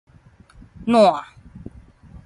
撋